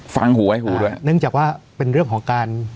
ฟังหูไว้หูด้วยเนื่องจากว่าเป็นเรื่องของการ